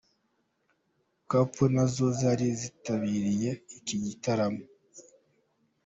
Couple nazo zari zitabiriye iki gitaramo